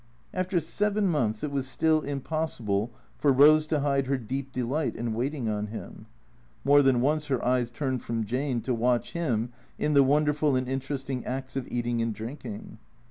After seven months it was still impossible for Eose to hide her deep delight in waiting on him. More than once her eyes turned from Jane to watch him in the wonderful and interesting acts of eating and drinking.